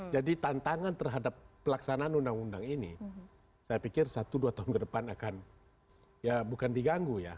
jadi tantangan terhadap pelaksanaan undang undang ini saya pikir satu dua tahun ke depan akan ya bukan diganggu ya